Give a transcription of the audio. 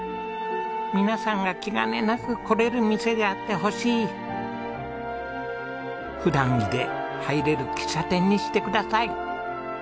「皆さんが気がねなく来れる店であってほしい」「普段着で入れる喫茶店にしてください」